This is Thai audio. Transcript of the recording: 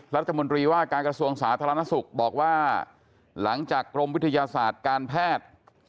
รัฐมนตรีว่าการกระทรวงสาธารณสุขบอกว่าหลังจากกรมวิทยาศาสตร์การแพทย์